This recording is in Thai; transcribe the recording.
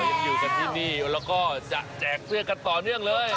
ยังอยู่กันที่นี่แล้วก็จะแจกเสื้อกันต่อเนื่องเลย